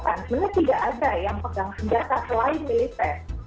sebenarnya tidak ada yang pegang senjata selain militer